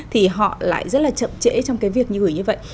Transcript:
thì họ lại rất là chậm trễ trong cái việc như gửi như vậy